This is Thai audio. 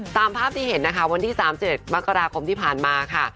ตามภาพที่เห็นนะคะวันที่๓๗มกราคมที่ผ่านมาค่ะ